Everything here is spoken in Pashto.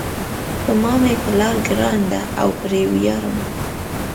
په ما مېپلار ګران ده او پری ویاړم